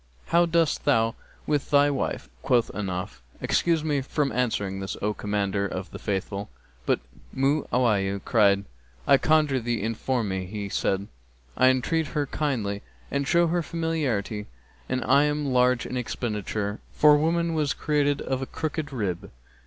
'How dost thou with thy wife?' Quoth Ahnaf, 'Excuse me from answering this, O Commander of the Faithful!'; but Mu'awiyah cried, 'I conjure thee inform me.' He said, 'I entreat her kindly and show her familiarity and am large in expenditure, for woman was created of a crooked rib.'